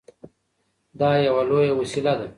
دا يوه لويه وسيله ده.